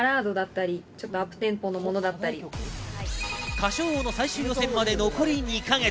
『歌唱王』の最終予選まで残り２か月。